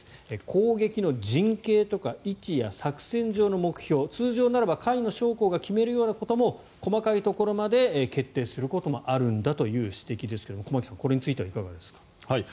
攻撃の陣形とか位置や作戦上の目標通常ならば下位の将校が決めるようなことも細かいところまで決定することもあるんだという指摘ですが駒木さん、これについてはいかがですか。